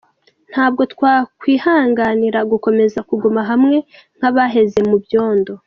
Ntabwo twakwihanganira gukomeza kuguma hamwe nk’abaheze mu byondo.